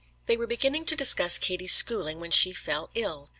They were beginning to discuss Katie's schooling when she fell ill.